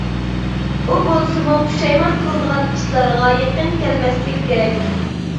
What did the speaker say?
ئۇ بولسىمۇ پۇشايمان قىلىدىغان ئىشلارغا يېقىن كەلمەسلىك كېرەك.